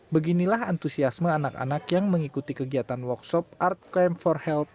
beginilah antusiasme anak anak yang mengikuti kegiatan workshop art crime for health